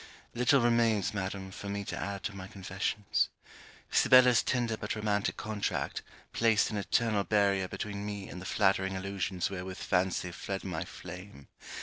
Little remains, Madam, for me to add to my confessions. Sibella's tender but romantic contract placed an eternal barrier between me and the flattering illusions wherewith fancy fled my flame.